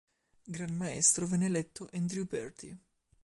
Gran Maestro venne eletto Andrew Bertie.